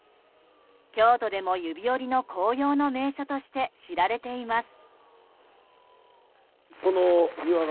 京都でも指折りの紅葉の名所として知られています。